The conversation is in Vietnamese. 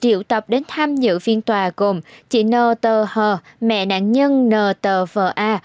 triệu tập đến tham nhự phiên tòa gồm chị n t h mẹ nạn nhân n t v a